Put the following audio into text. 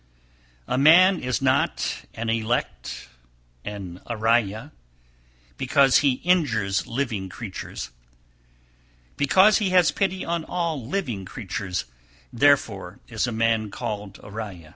270. A man is not an elect (Ariya) because he injures living creatures; because he has pity on all living creatures, therefore is a man called Ariya.